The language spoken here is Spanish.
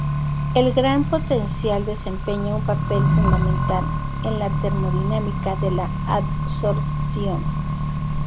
El gran potencial desempeña un papel fundamental en la termodinámica de la adsorción.